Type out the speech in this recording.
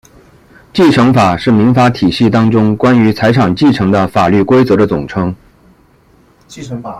继承法是民法体系当中关于财产继承的法律规则的总称。